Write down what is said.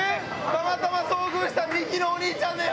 たまたま遭遇したミキのお兄ちゃんです。